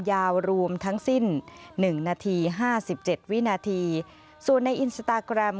ยาวรวมทั้งสิ้น๑นาที๕๗วินาทีส่วนในอินสตาแกรม